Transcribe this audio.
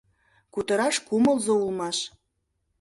Кутыраш кумылзо улмаш.